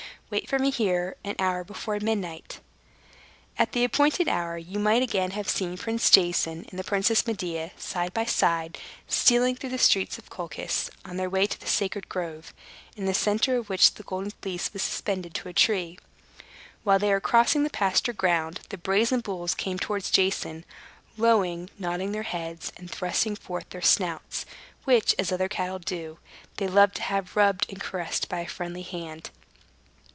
Wait for me here an hour before midnight." At the appointed hour you might again have seen Prince Jason and the Princess Medea, side by side, stealing through the streets of Colchis, on their way to the sacred grove, in the center of which the Golden Fleece was suspended to a tree. While they were crossing the pasture ground, the brazen bulls came towards Jason, lowing, nodding their heads, and thrusting forth their snouts, which, as other cattle do, they loved to have rubbed and caressed by a friendly hand.